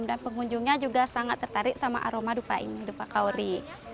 dan pengunjungnya juga sangat tertarik sama aroma dupa kaori